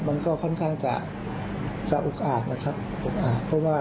มันก็ค่อนข้างจะอุ๊กอาดนะครับ